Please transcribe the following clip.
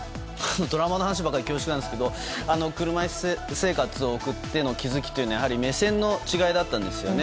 ドラマの話ばかりで恐縮なんですけど車いす生活を送っての気づきというのはやはり目線の違いだったんですよね。